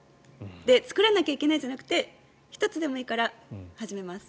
作らなきゃいけないじゃなくて１つでもいいから始めます。